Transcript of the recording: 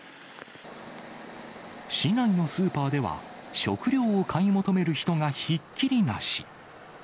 市内のスーパーでは、食料を買い求める人がひっきりなし。